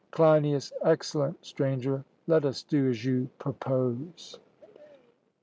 CLEINIAS: Excellent, Stranger; let us do as you propose.